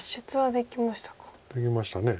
できました。